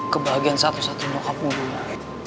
kebahagiaan satu satu nyokap gue